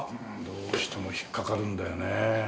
どうしても引っかかるんだよねぇ。